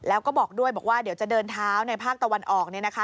แล้วก็บอกด้วยบอกว่าเดี๋ยวจะเดินเท้าในภาคตะวันออกเนี่ยนะคะ